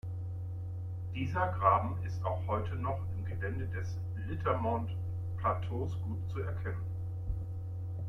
Dieser Graben ist auch heute noch im Gelände des Litermont-Plateaus gut zu erkennen.